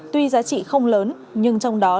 tuy giá trị không lớn nhưng trong đó